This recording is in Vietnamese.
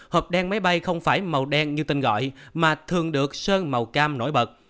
hộp đen máy bay không phải màu đen như tên gọi mà thường được sơn màu cam nổi bật